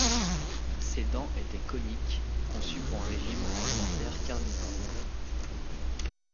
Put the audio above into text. Ses dents étaient coniques, conçues pour un régime alimentaire carnivore.